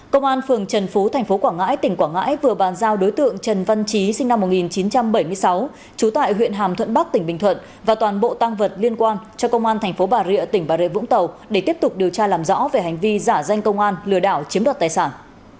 công an phường trần phú tp quảng ngãi tỉnh quảng ngãi vừa bàn giao đối tượng trần văn trí sinh năm một nghìn chín trăm bảy mươi sáu trú tại huyện hàm thuận bắc tỉnh bình thuận và toàn bộ tăng vật liên quan cho công an tp bà rịa tỉnh bà rệ vũng tàu để tiếp tục điều tra làm rõ về hành vi giả danh công an lừa đảo chiếm đoạt tài sản